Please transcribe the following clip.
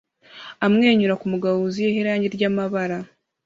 amwenyura kumugabo wuzuyeho irangi ryamabara